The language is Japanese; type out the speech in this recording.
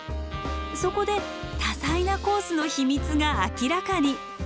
そこで多彩なコースの秘密が明らかに。